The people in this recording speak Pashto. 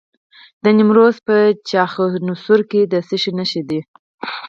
د نیمروز په چخانسور کې د څه شي نښې دي؟